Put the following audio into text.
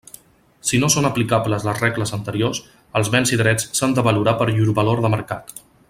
Si no són aplicables les regles anteriors, els béns i drets s'han de valorar per llur valor de mercat.